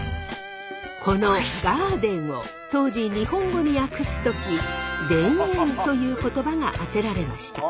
この「ガーデン」を当時日本語に訳す時「田園」という言葉が当てられました。